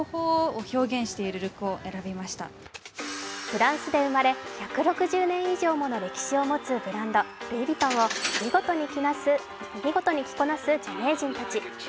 フランスで生まれ、１６０年以上もの歴史を持つブランドルイ・ヴィトンを見事に着こなす著名人たち。